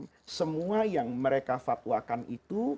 untuk mendudukan semua yang mereka fatwakan itu